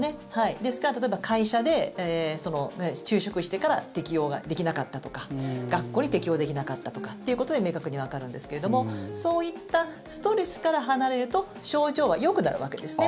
ですから例えば会社で就職してから適応ができなかったとか学校に適応できなかったとかということで明確にわかるんですけどもそういったストレスから離れると症状はよくなるわけですね。